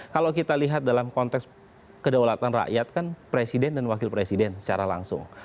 kalau kita lihat dalam konteks kedaulatan rakyat kan presiden dan wakil presiden secara langsung